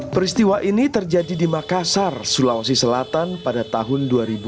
peristiwa ini terjadi di makassar sulawesi selatan pada tahun dua ribu dua puluh